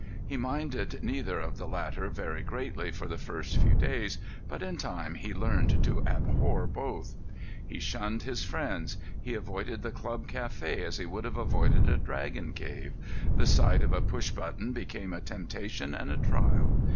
He minded neither of the latter very greatly for the first few days, but in time he learned to abhor both. He shunned his friends; he avoided the club café as he would have avoided a dragon's cave. The sight of a push button became a temptation and a trial.